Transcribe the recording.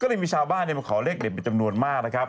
ก็เลยมีชาวบ้านมาขอเลขเด็ดเป็นจำนวนมากนะครับ